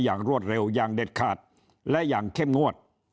อย่างรวดเร็วยังเด็ดขาดและอย่างเข้มงวด